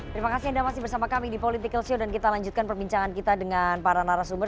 terima kasih anda masih bersama kami di political show dan kita lanjutkan perbincangan kita dengan para narasumber